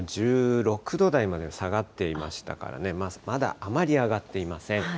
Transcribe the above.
１６度台まで下がっていましたからね、まだあまり上がっていません。